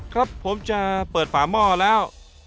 ครับผมจะเปิดฝาหม้อแล้ว